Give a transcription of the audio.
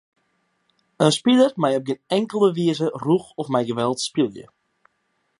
In spiler mei op gjin inkelde wize rûch of mei geweld spylje.